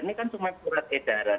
ini kan cuma surat edaran